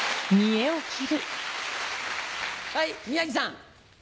はい宮治さん。